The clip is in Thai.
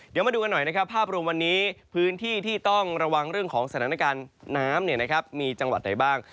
เดี๋ยวมาดูกันหน่อยนะครับภาพรวมวันนี้พื้นที่ที่ต้องระวังเรื่องของสถานการณ์น้ำมีจังหวัดไหนบ้าง